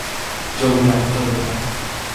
জলদি আয়, চলতে থাক।